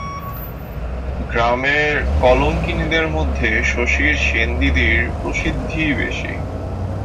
গ্রামের কলঙ্কিনীদের মধ্যে শশীর সেনদিদির প্রসিদ্ধিই বেশি।